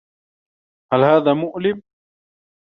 هل هذا مؤلم؟